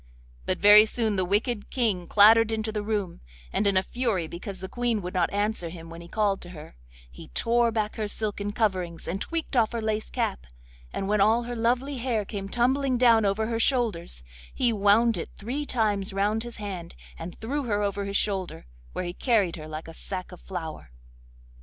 But very soon the wicked King clattered into the room, and in a fury because the Queen would not answer when he called to her, he tore back her silken coverings and tweaked off her lace cap, and when all her lovely hair came tumbling down over her shoulders, he wound it three times round his hand and threw her over his shoulder, where he carried her like a sack of flour.